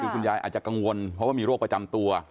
คือคุณยายอาจจะกังวลเพราะว่ามีโรคประจำตัว